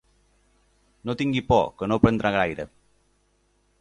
No tingui por, que no aprendrà gaire.